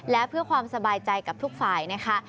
และเพื่อความสบายใจกับทุกฝ่ายนะคะ